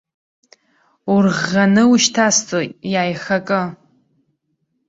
Урӷӷаны ушьҭасҵоит, иааихакы!